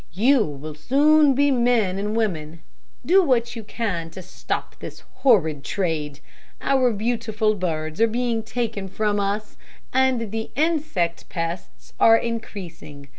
You will soon be men and women. Do what you can to stop this horrid trade. Our beautiful birds are being taken from us, and the insect pests are increasing.